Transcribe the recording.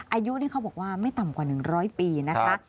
อายุนี่เขาบอกว่าไม่ต่ำกว่า๑๐๐ปีนะคะ